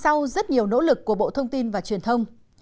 sau rất nhiều nỗ lực của bộ thông tin và truyền thông